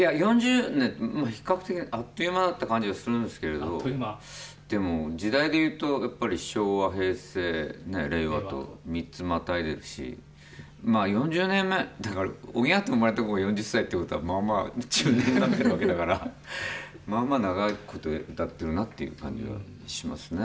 比較的あっという間だった感じがするんですけれどでも時代でいうとやっぱり昭和、平成、令和と３つ、またいでいるしおぎゃーと生まれた子が４０歳ということは、まあまあ中年になっているわけだからまあまあ長いこと歌っているなって感じはしますね。